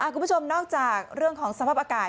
คุณผู้ชมนอกจากเรื่องของสภาพอากาศ